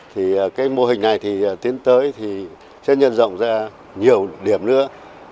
thì cái mô hình này thì tiến tới thì sẽ nhân rộng ra nhiều điểm nữa